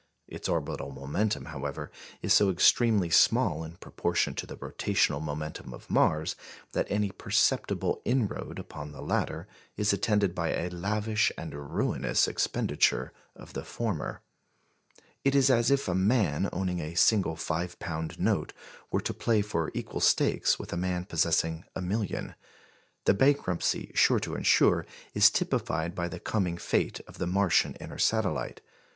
Its orbital momentum, however, is so extremely small in proportion to the rotational momentum of Mars, that any perceptible inroad upon the latter is attended by a lavish and ruinous expenditure of the former. It is as if a man owning a single five pound note were to play for equal stakes with a man possessing a million. The bankruptcy sure to ensue is typified by the coming fate of the Martian inner satellite.